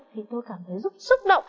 thì tôi cảm thấy rất xúc động